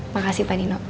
makasih pak nino